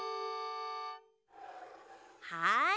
はい。